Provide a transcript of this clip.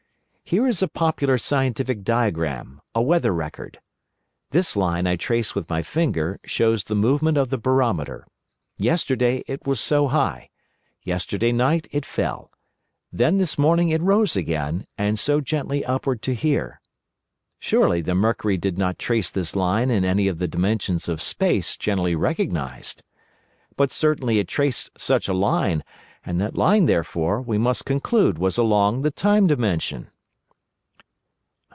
Here is a popular scientific diagram, a weather record. This line I trace with my finger shows the movement of the barometer. Yesterday it was so high, yesterday night it fell, then this morning it rose again, and so gently upward to here. Surely the mercury did not trace this line in any of the dimensions of Space generally recognised? But certainly it traced such a line, and that line, therefore, we must conclude, was along the Time Dimension."